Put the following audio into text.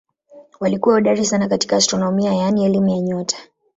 Walikuwa hodari sana katika astronomia yaani elimu ya nyota.